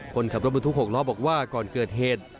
คนขับรถบรรทุก๖ล้อบอกว่าก่อนเกิดเหตุ